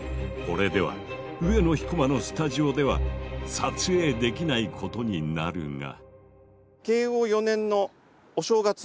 これでは上野彦馬のスタジオでは撮影できないことになるが。